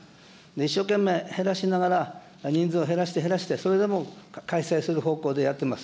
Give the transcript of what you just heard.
一生懸命減らしながら人数を減らして減らして、それでも開催する方向でやっています。